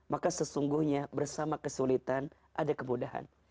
maka sesungguhnya bersama kesulitan ada kemudahan